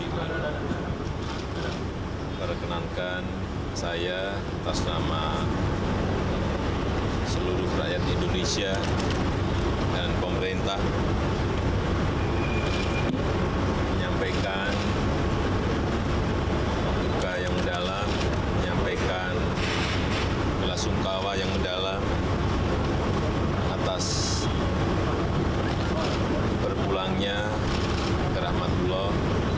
menyampaikan buka yang mendalam menyampaikan belasungkawa yang mendalam atas berpulangnya ke rahmatuloh